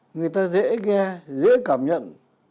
người ta dễ nghe dễ cảm nhận